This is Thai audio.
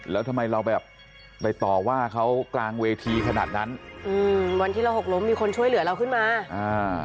แล้วทำไมเราแบบไปต่อว่าเขากลางเวทีขนาดนั้นอืมวันที่เราหกล้มมีคนช่วยเหลือเราขึ้นมาอ่า